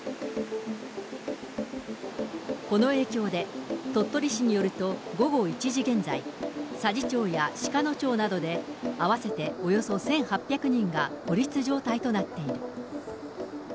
この影響で、鳥取市によると、午後１時現在、佐治町や鹿野町などで、合わせておよそ１８００人が孤立状態となっている。